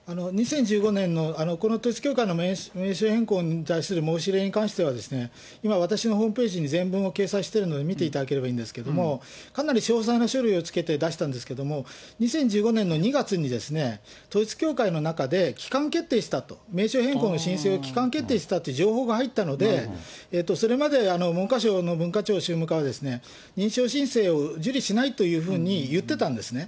２０１５年のこの統一教会の名称変更に対する申し入れに関しては、今、私のホームページに全文を掲載しているので見ていただければいいんですけども、かなり詳細な書類を付けて出したんですけれども、２０１５年の２月に、統一教会の中で機関決定したと、名称変更の申請を機関決定したっていう情報が入ったので、それまで文科省の宗務課は認証申請を受理しないというふうに言ってたんですね。